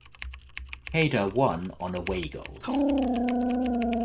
Kedah won on away goals.